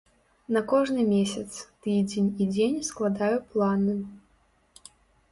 На кожны месяц, тыдзень і дзень складаю планы.